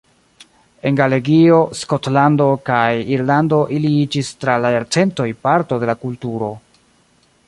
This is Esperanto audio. En Galegio, Skotlando kaj Irlando ili iĝis tra la jarcentoj parto de la kulturo.